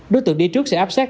đối tượng đi trước sẽ áp sát